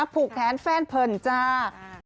ผูกแขนแฟนเผินจ้า